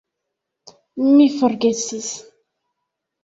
Mi forgesis